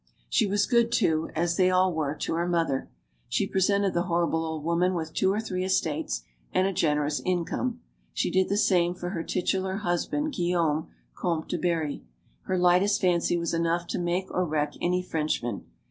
She was good, too as they all were to her mother. She presented the horrible old woman with two or three estates and a generous income. She did the same for her titular husband, Guillaume, Comte du Barry. Her lightest fancy was enough to make or wreck any Frenchman.